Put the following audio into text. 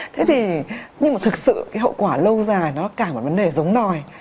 thế thì nhưng mà thực sự cái hậu quả lâu dài nó cả một vấn đề giống nòi